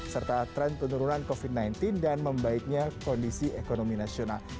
serta tren penurunan covid sembilan belas dan membaiknya kondisi ekonomi nasional